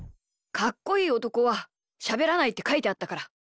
かっこいいおとこはしゃべらないってかいてあったから。